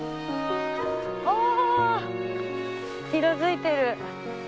色づいてる。